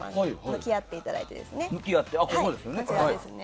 向き合っていただいて。